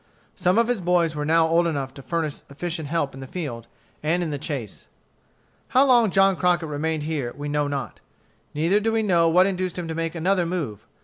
Some of his boys were now old enough to furnish efficient help in the field and in the chase. How long John Crockett remained here we know not. Neither do we know what induced him to make another move.